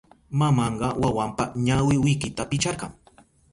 Mamanka wawanpa ñawi wikita picharka.